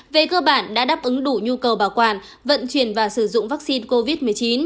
về cơ bản đã đáp ứng đủ nhu cầu bảo quản vận chuyển và sử dụng vaccine covid một mươi chín